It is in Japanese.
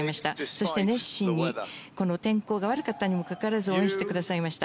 そして熱心にこの天候が悪かったにもかかわらず応援してくれました。